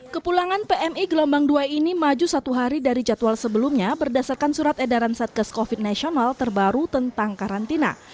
kepulangan pmi gelombang dua ini maju satu hari dari jadwal sebelumnya berdasarkan surat edaran satgas covid sembilan belas terbaru tentang karantina